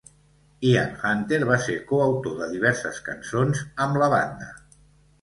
Ian Hunter va ser coautor de diverses cançons amb la banda.